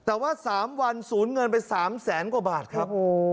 แต่ว่า๓วันสูญเงินไป๓แสนกว่าบาทครับ